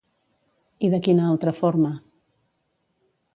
I de quina altra forma?